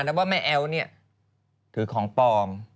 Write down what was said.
แล้วว่าแม่แอ๊วเนี่ยถือของปลอม